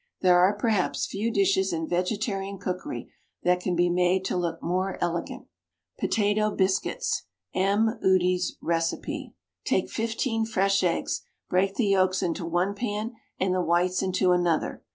There are, perhaps, few dishes in vegetarian cookery that can be made to look more elegant. POTATO BISCUITS (M. Ude's Recipe). Take fifteen fresh eggs, break the yolks into one pan and the whites into another.